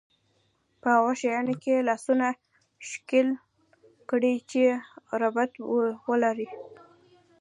په هغو شيانو کې لاسونه ښکېل کړي چې ربط ولري.